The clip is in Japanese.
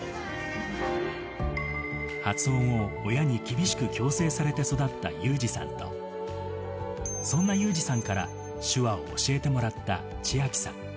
発音を親に厳しく矯正されて育った裕士さんと、そんな裕士さんから手話を教えてもらった千明さん。